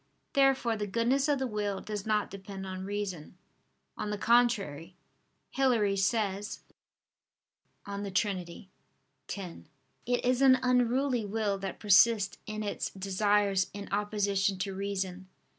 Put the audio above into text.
Therefore the goodness of the will does not depend on reason. On the contrary, Hilary says (De Trin. x): "It is an unruly will that persists in its desires in opposition to reason."